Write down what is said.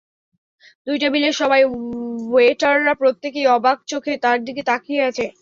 দুই টেবিলের সবাই, ওয়েটাররা প্রত্যেকেই অবাক চোখে তাঁর দিকে তাকিয়ে আছে।